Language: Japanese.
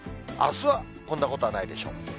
あすはこんなことはないでしょう。